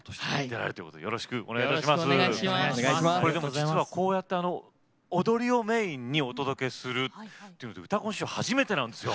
実はこうやって踊りをメインにお届けするっていうので「うたコン」史上初めてなんですよ。